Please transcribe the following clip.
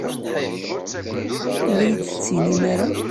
Ur iyi-d-tettinim ara?